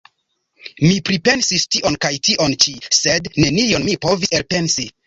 Mi pripensis tion kaj tion ĉi, sed nenion mi povis elpensi.